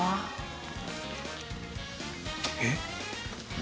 えっ？